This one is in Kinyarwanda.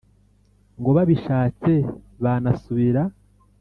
ngo babishatse banasubira